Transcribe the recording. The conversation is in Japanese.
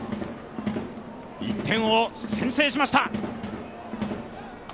１点を先制しました。